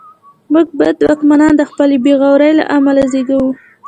موږ بد واکمن د خپلې بېغورۍ له امله زېږوو.